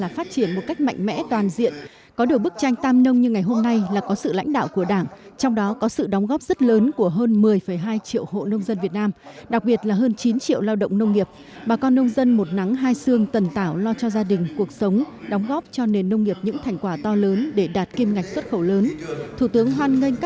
phát biểu kết luận hội nghị thủ tướng nhấn mạnh